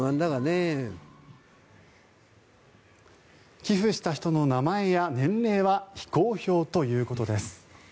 寄付した人の名前や年齢は非公表ということです。